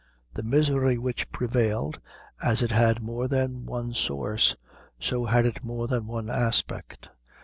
The misery which prevailed, as it had more than one source, so had it more than one aspect.